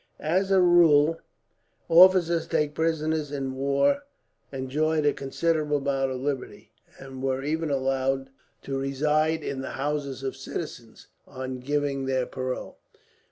As a rule, officers taken prisoners in war enjoyed a considerable amount of liberty; and were even allowed to reside in the houses of citizens, on giving their parole.